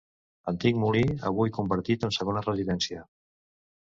Antic molí, avui convertit en segona residència.